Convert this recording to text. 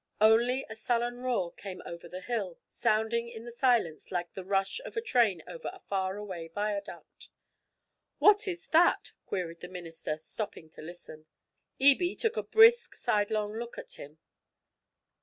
Only a sullen roar came over the hill, sounding in the silence like the rush of a train over a far away viaduct. 'What is that?' queried the minister, stopping to listen. Ebie took a brisk sidelong look at him.